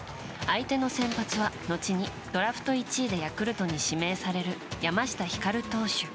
相手の先発は後にドラフト１位でヤクルトに指名される山下輝投手。